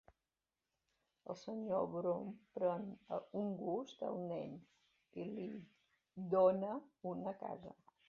El Sr Brownlow pren un gust al nen, i li dóna una casa.